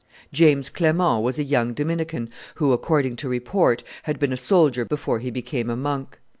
James Clement was a young Dominican who, according to report, had been a soldier before he became a monk.